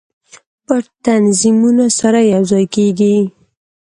پټ تنظیمونه سره یو ځای کیږي.